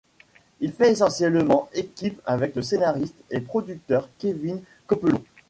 Il fait essentiellement équipe avec le scénariste et producteur Kevin Kopelow.